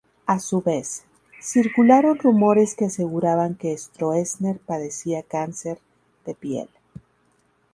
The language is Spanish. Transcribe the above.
A su vez, circularon rumores que aseguraban que Stroessner padecía cáncer de piel.